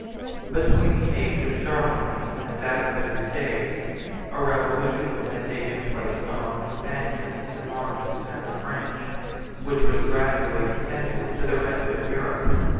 Between the age of Charlemagne and that of the crusades, a revolution had taken place among the Spaniards, the Normans, and the French, which was gradually extended to the rest of Europe.